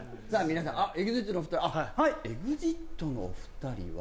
皆さんあっＥＸＩＴのお二人はいＥＸＩＴのお二人は？